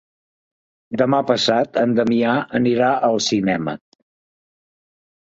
Demà passat en Damià anirà al cinema.